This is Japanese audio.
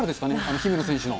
姫野選手の。